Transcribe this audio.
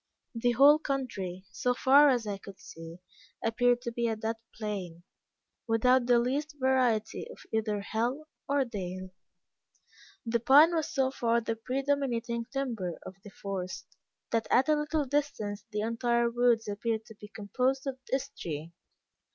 The whole country, so far as I could see, appeared to be a dead plain, without the least variety of either hill or dale. The pine was so far the predominating timber of the forest, that at a little distance the entire woods appeared to be composed of this tree.